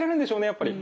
やっぱり。